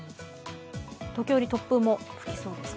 時折、突風も吹きそうですか？